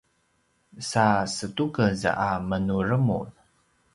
sa setukez a menuremur